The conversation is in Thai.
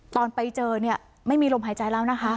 ตอนไปเจอเนี่ยไม่มีลมหายใจแล้วนะคะ